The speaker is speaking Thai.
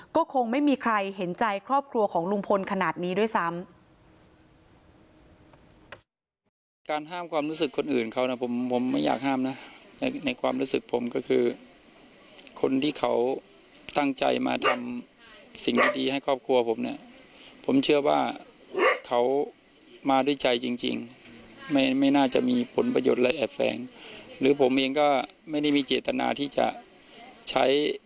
ก็คงไม่มีใครเห็นใจครอบครัวของลุงพลขนาดนี้ด้วยซ้ำ